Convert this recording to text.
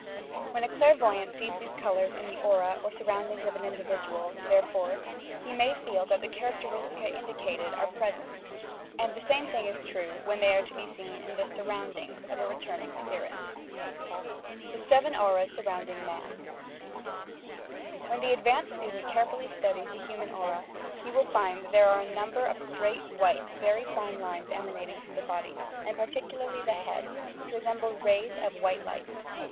When a clairvoyant sees these colours in the aura or surroundings of an individual, therefore, he may feel that the characteristics indicated are present; and the same thing is true when they are seen in the "surround ings" of a returning spirit. THE SEVEN AURAS SURHOUNDINO MAN When the advanced student carefully studies the hu man aura, he will find that there are a number of straight, white, very fine lines emanating from the body, and particularly the head, which resemble rays of white light.